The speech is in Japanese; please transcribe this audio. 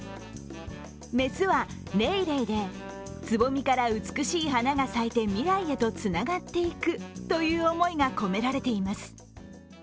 雌はレイレイで、つぼみから美しい花が咲いて未来へとつながっていくという意味が込められています。